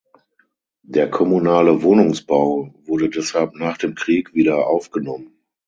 Der kommunale Wohnungsbau wurde deshalb nach dem Krieg wieder aufgenommen.